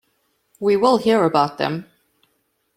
We will hear about them.